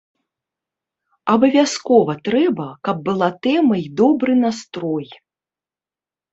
Абавязкова трэба, каб была тэма і добры настрой.